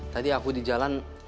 tadi aku di jalan